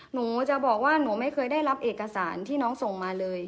หนูจะบอกว่าหนูไม่เคยได้รับเอกสารที่น้องส่งมาเลย